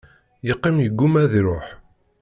Yeqqim igumma ad iruḥ.